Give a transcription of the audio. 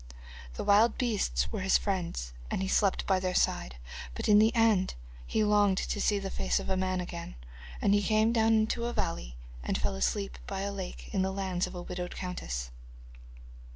The wild beasts were his friends, and he slept by their side, but in the end he longed to see the face of a man again, and he came down into a valley and fell asleep by a lake in the lands of a widowed countess.